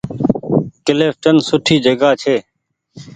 ڪلڦٽن سوٺي جگآ ڇي۔